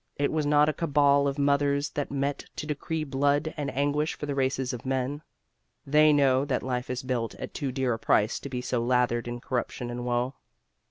It was not a cabal of mothers that met to decree blood and anguish for the races of men. They know that life is built at too dear a price to be so lathered in corruption and woe.